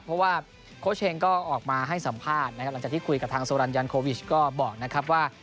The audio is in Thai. เพราะว่าโค้ชเชงก็ออกมาให้สัมภาษณ์นะครับหลังจากที่คุยกับทางโซรันยันโควิชก็บอกนะครับว่า